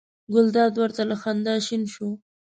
ګلداد ور ته له خندا شین شو.